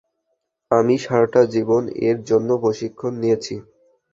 আমি সারাটা জীবন এর জন্য প্রশিক্ষণ নিয়েছি।